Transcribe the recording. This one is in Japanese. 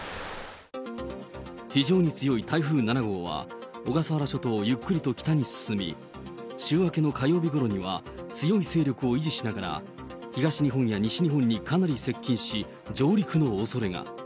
非常に強い台風７号は、小笠原諸島をゆっくりと北に進み、週明けの火曜日ごろには強い勢力を維持しながら、東日本や西日本にかなり接近し、上陸のおそれが。